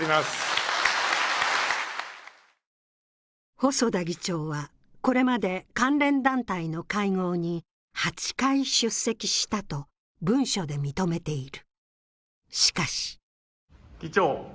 細田議長はこれまで、関連団体の会合に８回出席したと文書で認めている。